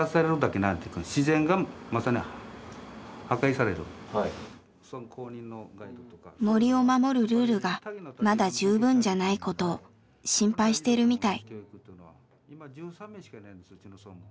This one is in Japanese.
要するに森を守るルールがまだ十分じゃないことを心配してるみたい。